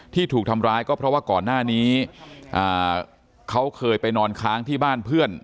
ที่ถูกทำร้ายก็เพราะว่าก่อนหน้านี้เขาเคยไปนอนค้างที่บ้านเพื่อน